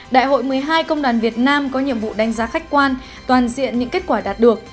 đại hội một mươi hai công đoàn việt nam có nhiệm vụ đánh giá khách quan toàn diện những kết quả đạt được